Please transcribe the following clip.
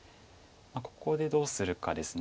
ここでどうするかです。